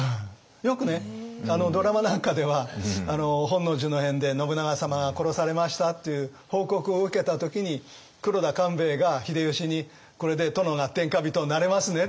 よくねドラマなんかでは本能寺の変で信長様が殺されましたっていう報告を受けた時に黒田官兵衛が秀吉に「これで殿が天下人になれますね」って言った。